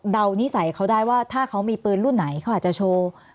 นิสัยเขาได้ว่าถ้าเขามีปืนรุ่นไหนเขาอาจจะโชว์